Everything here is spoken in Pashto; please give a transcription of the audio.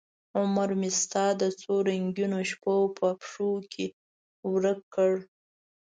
عمرمې ستا د څورنګینوشپو په پښوکې ورک کړ